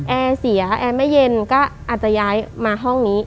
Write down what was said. แอร์เสียแอร์ไม่เย็นก็อาจจะย้ายมาห้องนี้